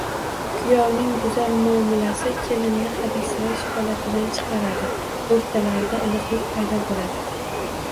Kuyovning go‘zal muomalasi kelinni hadiksirash holatidan chiqaradi, o‘rtalarida iliqlik paydo bo‘ladi.